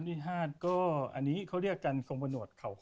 รุ่นที่๕ก็อันนี้เขาเรียกกันสงบนวดเขาค้อ